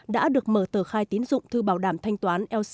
đã được mở tờ khai tín dụng thư bảo đảm thanh toán